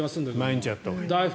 毎日やったほうがいい。